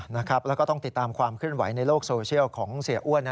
นะครับแล้วก็ต้องติดตามความขึ้นไหวในโลกโซเชียลของเสียอ้วนนะ